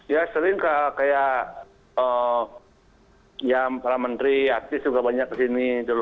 ya sering kayak yang para menteri artis juga banyak di sini